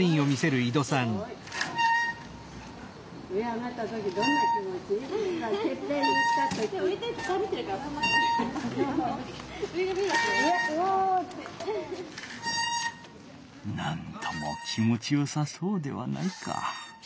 なんとも気持ちよさそうではないか。